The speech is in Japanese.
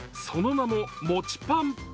その名ももちパン。